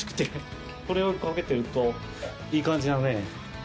これをかけてるといい感じだね。